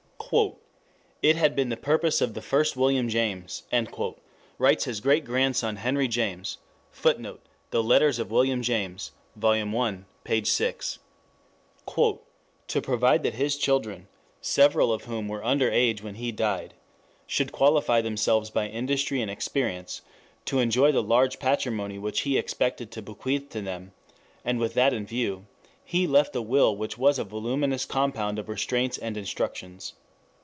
"It had been the purpose of the first William James," writes his great grandson Henry James, [Footnote: The Letters of William James, Vol. I, p. 6.] "to provide that his children (several of whom were under age when he died) should qualify themselves by industry and experience to enjoy the large patrimony which he expected to bequeath to them, and with that in view he left a will which was a voluminous compound of restraints and instructions.